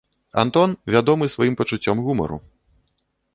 Антон вядомы сваім пачуццём гумару.